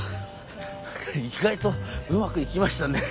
意外とうまくいきましたね。